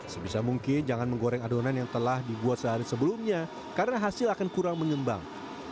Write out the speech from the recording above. sebisa mungkin jangan menggoreng adonan yang telah dibuat sehari sebelumnya karena hasil akan kurang mengembang